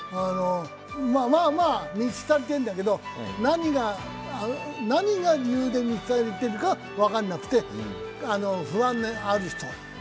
まあまあ満ち足りてるんだけど、何が理由で満ち足りてるかは分からなくて、不安である人。